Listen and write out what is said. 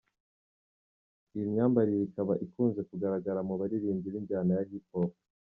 Iyi myambarire ikaba ikunze kugaragara mu baririmbyi b’injyana ya Hiphop.